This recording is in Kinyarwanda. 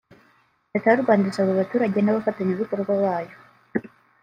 Leta y’u Rwanda isaba abaturage n’abafatanyabikorwa bayo